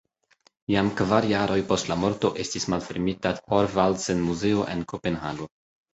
Jam kvar jarojn post la morto estis malfermita Thorvaldsen-muzeo en Kopenhago.